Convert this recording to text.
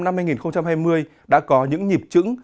năm hai nghìn hai mươi đã có những nhịp trứng